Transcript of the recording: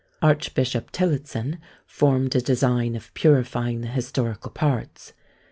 Archbishop Tillotson formed a design of purifying the historical parts.